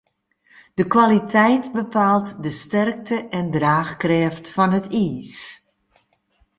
De kwaliteit bepaalt de sterkte en draachkrêft fan it iis.